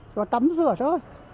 rồi tắm rửa thôi